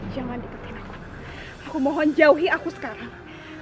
jangan diketik aku aku mohon jauhi aku sekarang